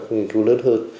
nghiên cứu lớn hơn